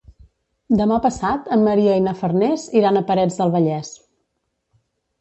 Demà passat en Maria i na Farners iran a Parets del Vallès.